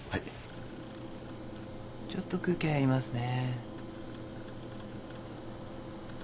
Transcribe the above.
ちょっと空気入りますね。